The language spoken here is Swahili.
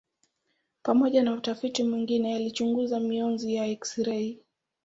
Pamoja na utafiti mwingine alichunguza mionzi ya eksirei.